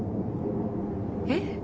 えっ？